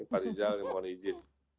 pak rizal yang mau izin